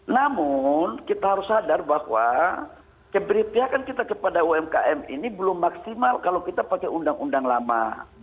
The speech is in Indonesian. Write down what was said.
namun kita harus sadar bahwa keberpihakan kita kepada umkm ini belum maksimal kalau kita pakai undang undang lama